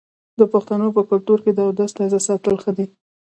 د پښتنو په کلتور کې د اودس تازه ساتل ښه دي.